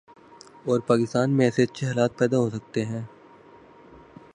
اور پاکستان میں ایسے اچھے حالات پیدا ہوسکتے ہیں ۔